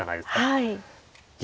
はい。